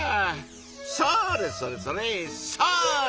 それそれそれそれ！